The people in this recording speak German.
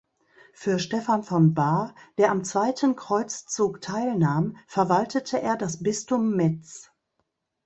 Für Stephan von Bar, der am Zweiten Kreuzzug teilnahm, verwaltete er das Bistum Metz.